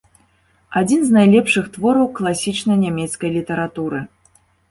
Адзін з найлепшых твораў класічнай нямецкай літаратуры.